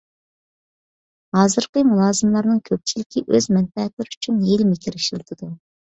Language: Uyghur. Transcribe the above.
ھازىرقى مۇلازىملارنىڭ كۆپچىلىكى ئۆز مەنپەئەتلىرى ئۈچۈن ھىيلە - مىكىر ئىشلىتىدۇ.